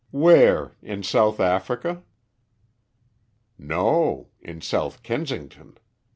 "Where, in South Africa?" "No, in South Kensington.